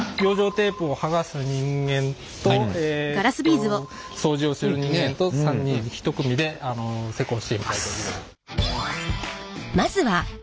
テープを剥がす人間と掃除をする人間と３人一組で施工しています。